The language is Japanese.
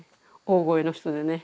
大声の人でね。